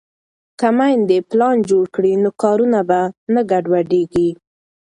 که میندې پلان جوړ کړي نو کارونه به نه ګډوډېږي.